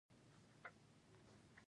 هغه هغې ته په درناوي د دښته کیسه هم وکړه.